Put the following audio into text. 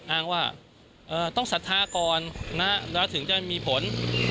อ้างว่าต้องศรัทธาก่อนแล้วถึงจะมีผล